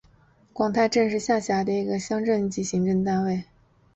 广太镇是下辖的一个乡镇级行政单位。